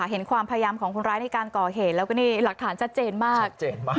เห็นความพยายามของคนร้ายในการก่อเหตุแล้วก็นี่หลักฐานชัดเจนมากชัดเจนมาก